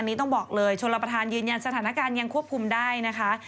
อันนี้ต้องบอกเลยชลปภัทรยืนยังสถานการณ์ยังครับควบคุมได้นะคะ